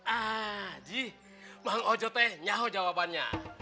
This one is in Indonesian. ah ji mak wajo teh nyaho jawabannya